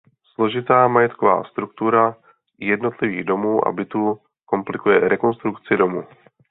Složitá majetková struktura jednotlivých domů a bytů komplikuje rekonstrukci domu.